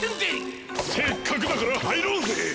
せっかくだからはいろうぜ。